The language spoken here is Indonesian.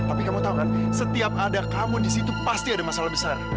tapi kamu tau kan setiap ada kamu disitu pasti ada masalah besar